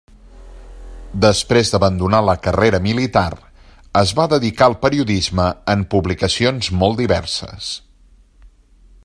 Després d'abandonar la carrera militar, es va dedicar al periodisme en publicacions molt diverses.